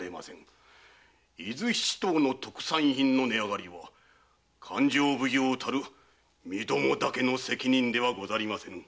伊豆七島の特産品の値上がりは勘定奉行たる身共だけの責任ではござりませぬ。